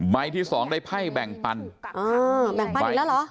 ที่สองได้ไพ่แบ่งปันอ่าแบ่งปันอีกแล้วเหรอ